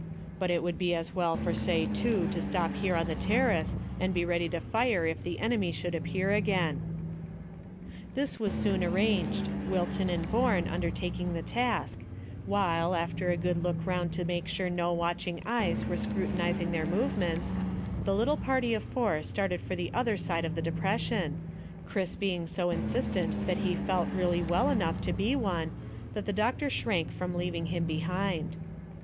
But it would be as well for say two to stop here on the terrace and be ready to fire if the enemy should appear again." This was soon arranged, Wilton and Bourne undertaking the task, while, after a good look round to make sure that no watching eyes were scrutinising their movements, the little party of four started for the other side of the depression, Chris being so insistent that he felt really well enough to be one, that the doctor shrank from leaving him behind.